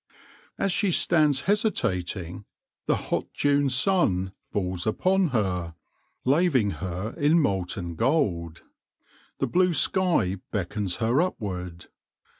As she stands hesitating, the hot June sun falls upon her, laving her in molten gold. The blue sky beckons her upward.